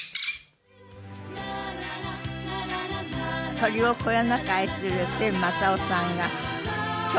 「」鳥をこよなく愛する千昌夫さんが今日のお客様。